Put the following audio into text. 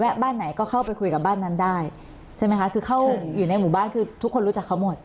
บ้านไหนก็เข้าไปคุยกับบ้านนั้นได้ใช่ไหมคะคือเข้าอยู่ในหมู่บ้านคือทุกคนรู้จักเขาหมด